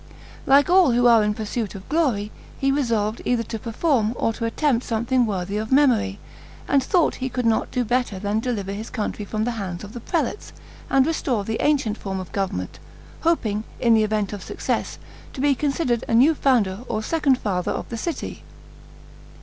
Like all who are in pursuit of glory, he resolved either to perform or to attempt something worthy of memory, and thought he could not do better than deliver his country from the hands of the prelates, and restore the ancient form of government; hoping, in the event of success, to be considered a new founder or second father of the city.